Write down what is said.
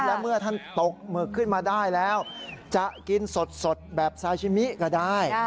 และเมื่อท่านตกหมึกขึ้นมาได้แล้วจะกินสดแบบซาชิมิก็ได้